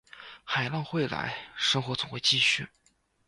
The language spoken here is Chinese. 海浪会来，生活总会继续